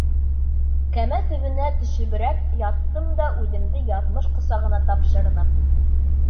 Кәмә төбөнә төшөбөрәк яттым да үҙемде яҙмыш ҡосағына тапшырҙым.